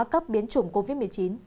các biến trọng covid một mươi chín